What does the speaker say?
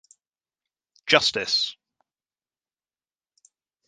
Justice!